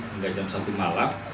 hingga jam satu malam